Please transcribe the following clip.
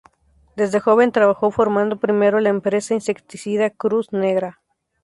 Desde joven trabajó formando primero la empresa Insecticida Cruz Negra.